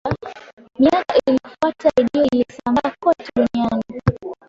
miaka iliyofuata redio ilisambaa kote duniani